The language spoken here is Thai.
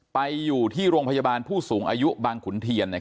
ไปอยู่ที่โรงพยาบาลผู้สูงอายุบางขุนเทียน